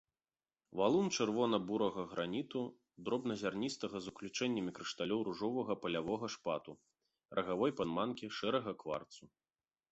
Валун чырвона-бурага граніту, дробназярністага з уключэннямі крышталёў ружовага палявога шпату, рагавой падманкі, шэрага кварцу.